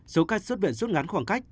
số ca xuất viện xuất ngắn khoảng cách